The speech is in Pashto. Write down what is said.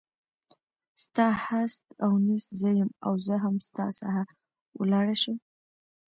ستا هست او نیست زه یم او زه هم ستا څخه ولاړه شم.